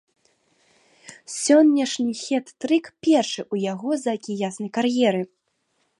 Сённяшні хет-трык першы ў ягонай заакіянскай кар'еры.